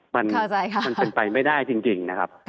มันเป็นไปไม่ได้จริงนะครับ